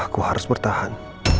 aku harus pertahan